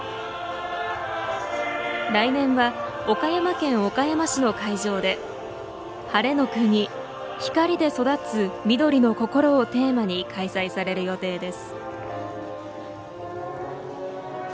来年は岡山県岡山市の会場で「晴れの国光で育つ緑の心」をテーマに開催される予定です。